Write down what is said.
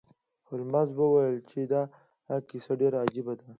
هولمز وویل چې دا کیسه ډیره عجیبه ده.